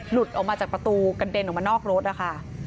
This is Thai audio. หลุดออกมาจากประตูกระเด็นออกมานอกรถนะคะ